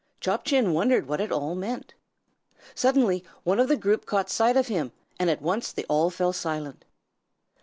Chop Chin wondered what it all meant. Suddenly one of the group caught sight of him, and at once they fell silent.